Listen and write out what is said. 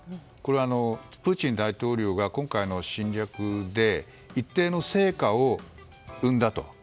これは、プーチン大統領が今回の侵略で一定の成果を生んだと。